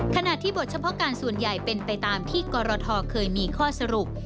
ขณะที่บทเฉพาะการส่วนใหญ่เป็นไปตามที่กรทเคยมีข้อสรุป